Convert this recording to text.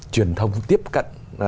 truyền thông tiếp cận